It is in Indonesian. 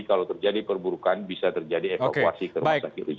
kalau terjadi perburukan bisa terjadi evakuasi ke rumah sakit